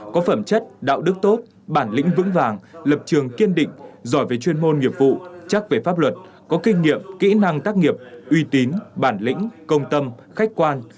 có phẩm chất đạo đức tốt bản lĩnh vững vàng lập trường kiên định giỏi về chuyên môn nghiệp vụ chắc về pháp luật có kinh nghiệm kỹ năng tác nghiệp uy tín bản lĩnh công tâm khách quan